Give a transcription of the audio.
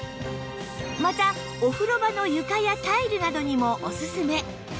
またお風呂場の床やタイルなどにもおすすめ